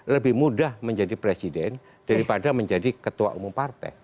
lebih mudah menjadi presiden daripada menjadi ketua umum partai